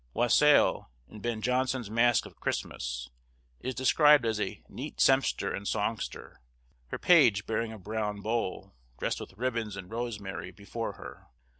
Wassail, in Ben Jonson's mask of Christmas, is described as a neat sempster and songster; her page bearing a brown bowl, dressed with ribbons and rosemary, before her.